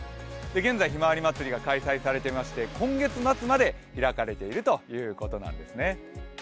現在、ひまわりまつりが開催されていまして今月末まで開かれているということなんです。